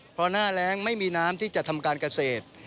เพราะหน้าแรงไม่มีน้ำที่จะทำการเกษตร